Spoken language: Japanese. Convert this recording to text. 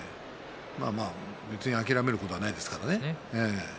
別に諦めることはないですからね。